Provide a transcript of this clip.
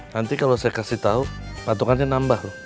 nanti kalau saya kasih tau patungannya nambah loh